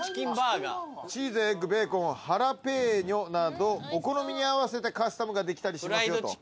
チーズエッグベーコンハラペーニョなどお好みに合わせてカスタムができたりしますよと。